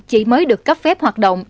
chỉ mới được cấp phép hoạt động